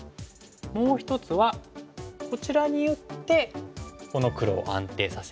もう一つはこちらに寄ってこの黒を安定させる。